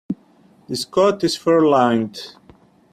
This coat is fur-lined.